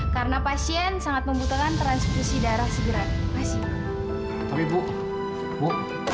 karena pasien sangat membutuhkan transkursi darah segera tapi bu bu